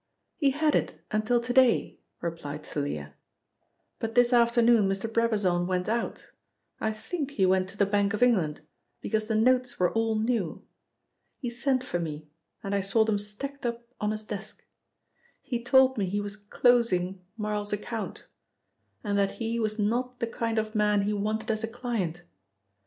"He had until to day," replied Thalia. "But this afternoon Mr. Brabazon went out I think he went to the Bank of England, because the notes were all new. He sent for me and I saw them stacked up on his desk. He told me he was closing Marl's account, and that he was not the kind of man he wanted as a client.